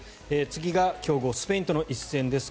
次が強豪スペインとの一戦です。